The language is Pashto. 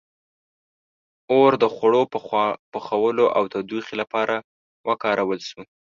• اور د خوړو پخولو او تودوخې لپاره وکارول شو.